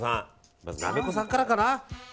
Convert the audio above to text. まず、なめこさんからかな。